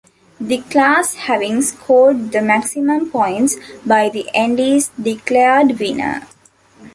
The class having scored the maximum points by the end is declared winner.